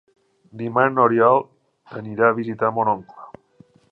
Dimarts n'Oriol anirà a visitar mon oncle.